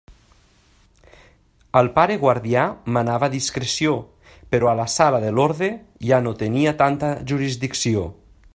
El pare guardià manava discreció, però a la sala de l'orde ja no tenia tanta jurisdicció.